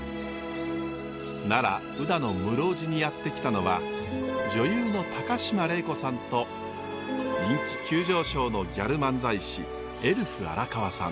奈良・宇陀の室生寺にやって来たのは女優の高島礼子さんと人気急上昇のギャル漫才師エルフ荒川さん。